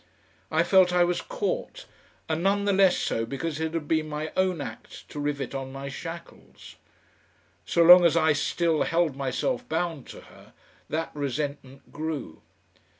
I felt I was caught, and none the less so because it had been my own act to rivet on my shackles. So long as I still held myself bound to her that resentment grew.